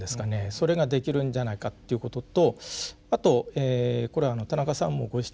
それができるんじゃないかっていうこととあとこれは田中さんもご指摘になったようにですね